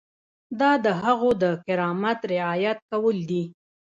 دا د هغوی د کرامت رعایت کول دي.